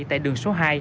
tại đường số hai